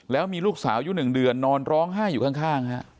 แล้วมีลูกสาวอยู่๑เดือนนอนร้องไห้อยู่ข้าง